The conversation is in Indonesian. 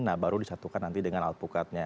nah baru disatukan nanti dengan alpukatnya